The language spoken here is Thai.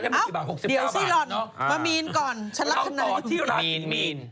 เรียกมัน๑๐บาท๖๕บาทเนอะอ้าวเดี๋ยวสิร่อนมามีนก่อนฉันรักเท่านั้นอะไรอยู่